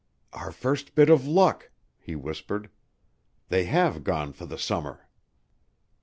"Our first bit of luck," he whispered. "They have gone for the summer!"